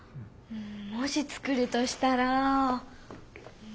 もし作るとしたら。